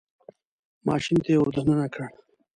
ماشین ته یې ور دننه کړ.